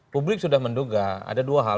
publik sudah menduga ada dua hal